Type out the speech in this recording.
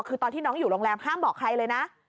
คือตอนที่น้องอยู่โรงแรมห้ามบอกใครเลยนะ